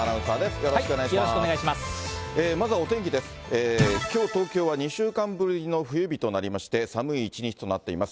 よろしくお願いします。